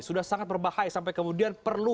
sudah sangat berbahaya sampai kemudian perlu